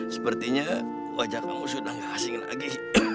sepertinya wajah kamu sudah gak asing lagi